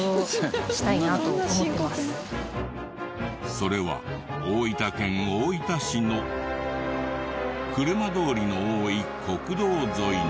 それは大分県大分市の車通りの多い国道沿いに。